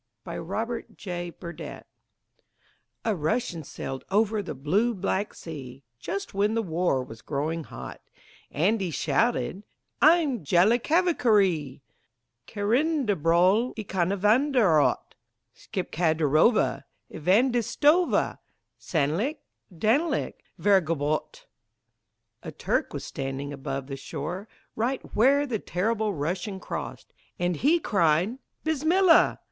BY ROBERT J. BURDETTE A Russian sailed over the blue Black Sea, Just when the war was growing hot, And he shouted, "I'm Tjalikavakeree Karindabrolikanavandorot Schipkadirova Ivandiszstova Sanilik Danilik Varagobhot!" A Turk was standing upon the shore Right where the terrible Russian crossed; And he cried, "Bismillah!